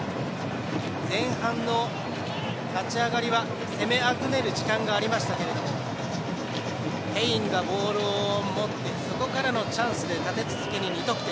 前半の立ち上がりは攻めあぐねる時間がありましたけどもケインがボールを持ってそこからのチャンスで立て続けに２得点。